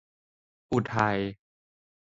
อุทัย